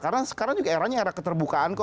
karena sekarang juga eranya era keterbukaan kok